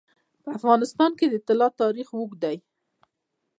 په افغانستان کې د طلا تاریخ اوږد دی.